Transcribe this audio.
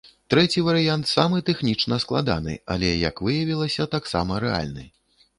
Трэці варыянт самы тэхнічна складаны, але, як выявілася, таксама рэальны.